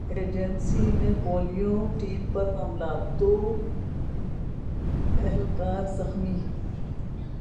Bajaur agency میں polio team پر حملہ دو لیوی اہلکار زخمی